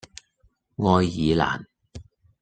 愛爾蘭